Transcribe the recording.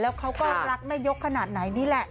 แล้วเขาก็รักแม่ยกขนาดไหนนี่แหละ